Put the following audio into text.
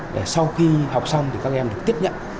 để sau khi học xong thì các em được tiếp nhận